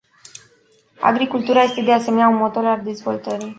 Agricultura este de asemenea un motor al dezvoltării.